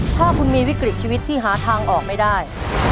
ถ้าคุณมีวิกฤตชีวิตที่หาทางออกไม่ได้